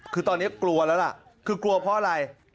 คือตอนนี้กลัวแล้วล่ะคือกลัวเพราะอะไร